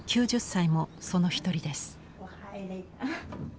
９０歳もその一人です。